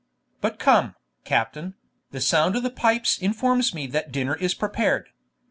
But come, captain, the sound of the pipes informs me that dinner is prepared.